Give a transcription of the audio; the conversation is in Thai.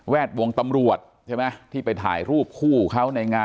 ดวงตำรวจใช่ไหมที่ไปถ่ายรูปคู่เขาในงาน